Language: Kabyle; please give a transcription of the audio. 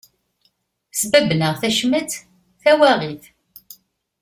Sbabben-aɣ tacmat, tawaɣit.